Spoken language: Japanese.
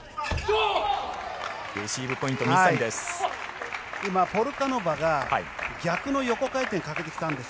レシーブポイント水谷です。